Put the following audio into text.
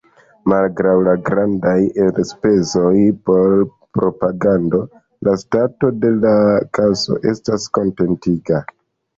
Malgraŭ la grandaj elspezoj por propagando, la stato de la kaso estas kontentiga.